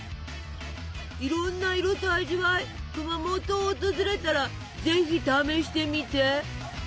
いろんな色と味わい熊本を訪れたらぜひ試してみて。